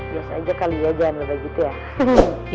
biasa aja kali ya jangan bebek gitu ya